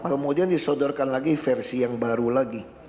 kemudian disodorkan lagi versi yang baru lagi